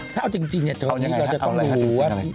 ถ้าเอาจริงเนี่ยวันนี้เราจะต้องรู้ว่า